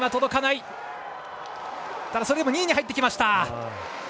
それでも２位に入ってきました。